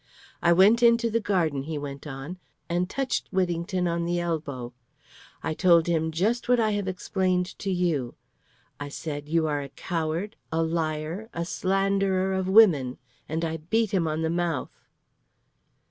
"I went into the garden," he went on, "and touched Whittington on the elbow. I told him just what I have explained to you. I said, 'You are a coward, a liar, a slanderer of women,' and I beat him on the mouth."